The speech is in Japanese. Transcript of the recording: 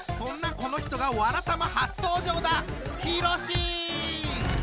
この人が「わらたま」初登場だ。